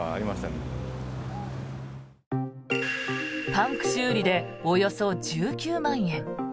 パンク修理でおよそ１９万円。